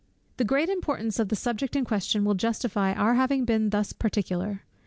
The great importance of the subject in question will justify our having been thus particular.